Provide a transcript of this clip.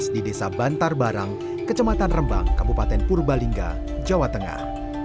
di desa bantar barang kecematan rembang kabupaten purbalingga jawa tengah